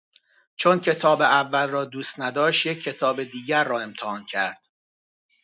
چون کتاب اول را دوست نداشت یک کتاب دیگر را امتحان کرد.